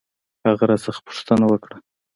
هغه راڅخه پوښتنه وکړ.